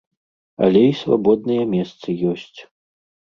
Але і свабодныя месцы ёсць.